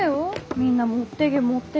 みんな持ってげ持ってげって。